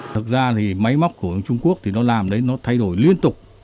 thực ra thì máy móc của trung quốc thì nó làm đấy nó thay đổi liên tục